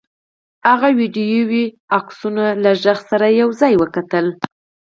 هغه ويډيويي تصويرونه له غږ سره يو ځای وکتل.